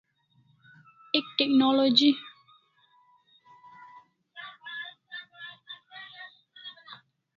Ek technology